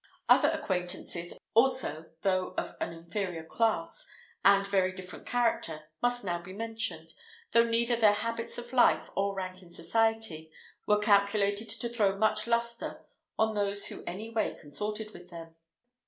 Other acquaintances, also, though of an inferior class, and very different character, must now be mentioned, though neither their habits of life, or rank in society, were calculated to throw much lustre on those who in any way consorted with them.